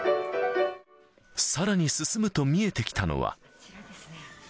さらに進むと見えてきたのは。